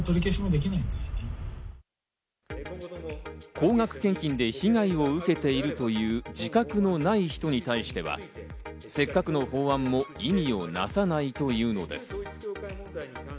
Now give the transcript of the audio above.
高額献金で被害を受けているという自覚のない人に対しては、せっかくの法案も意味をなさないというのです。